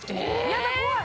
やだ怖い！